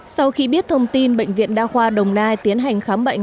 sau khi biết thông tin bệnh viện đa khoa đồng nai tiến hành khám bệnh